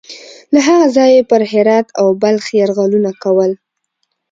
له هغه ځایه یې پر هرات او بلخ یرغلونه کول.